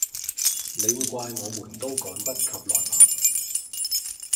你會怪我們都趕不及來嗎？